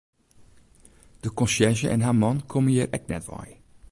De konsjerzje en har man komme hjir ek net wei.